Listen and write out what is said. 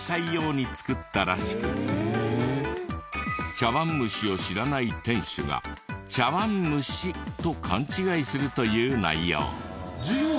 茶わん蒸しを知らない店主が「茶わん虫」と勘違いするという内容。